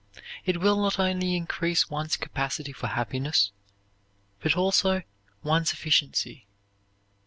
It will not only greatly increase one's capacity for happiness, but also one's efficiency.